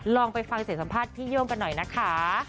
ลองไปฟังเสียงสัมภาษณ์พี่โย่งกันหน่อยนะคะ